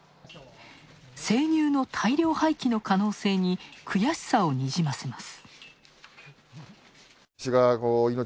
生乳の大量廃棄の可能性に悔しさをにじませます。